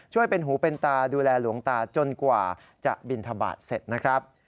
หูเป็นตาดูแลหลวงตาจนกว่าจะบินทบาทเสร็จนะครับ